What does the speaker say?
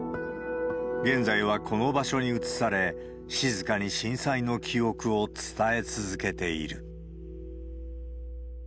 現在はこの場所に移され、静かに震災の記憶を伝え続けている。